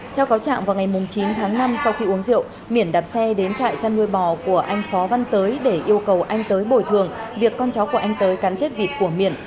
theo cáo trạng vào ngày chín tháng năm sau khi uống rượu miển đạp xe đến trại chăn nuôi bò của anh phó văn tới để yêu cầu anh tới bồi thường việc con cháu của anh tới cắn chết vịt của miền